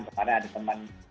kemarin ada teman